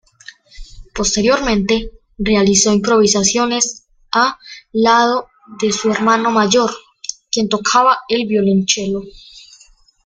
Posteriormente, realizó improvisaciones a lado de su hermano mayor, quien tocaba el violonchelo.